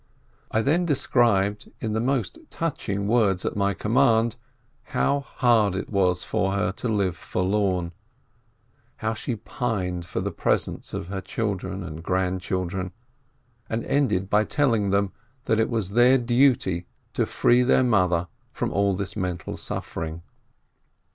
I then described, in the most touching words at my command, how hard it was for her to live forlorn, how she pined for the presence of her children and grand children, and ended by telling them, that it was their duty to free their mother from all this mental suffering.